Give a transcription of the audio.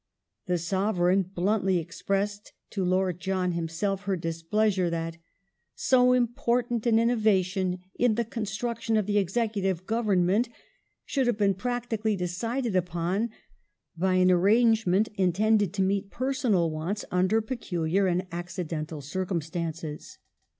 The Sovereign bluntly expressed to Lord John himself her displeasure that " so important an innovation in the construction of the Executive Government should have been practically decided upon by an ari'angement intended to meet personal wants under peculiar and accidental circumstances